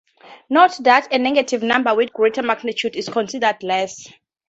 Note that a negative number with greater magnitude is considered less.